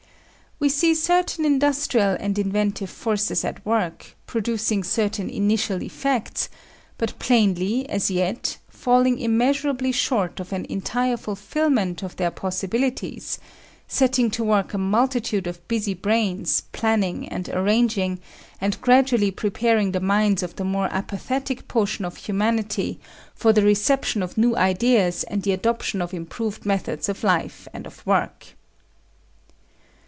We see certain industrial and inventive forces at work, producing certain initial effects, but plainly, as yet, falling immeasurably short of an entire fulfilment of their possibilities; setting to work a multitude of busy brains, planning and arranging, and gradually preparing the minds of the more apathetic portion of humanity for the reception of new ideas and the adoption of improved methods of life and of work.